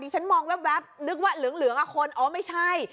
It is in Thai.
ดิฉันมองแวบนึกว่าเหลืองอะคนเอาไม่ใช่